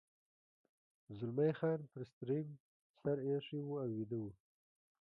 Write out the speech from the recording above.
زلمی خان پر سټرینګ سر اېښی و او ویده و.